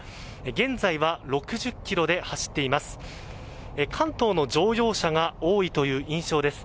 現在は６０ｋｍで走っています。